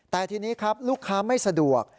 แต่ทีนี้ครับลูกค้าไม่สะดวก